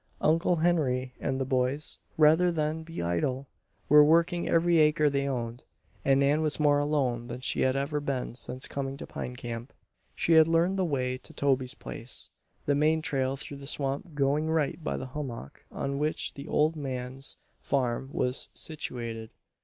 Uncle Henry and the boys, rather than be idle, were working every acre they owned, and Nan was more alone than she had ever been since coming to Pine Camp. She had learned the way to Toby's place, the main trail through the swamp going right by the hummock on which the old man's farm was situated.